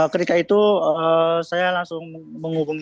ketika itu saya sudah berhenti berhenti berhenti